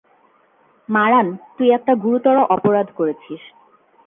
মারান, তুই একটা গুরুতর অপরাধ করেছিস।